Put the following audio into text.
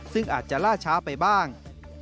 ซึ่งอาจจะล่าช้าไปบ้าง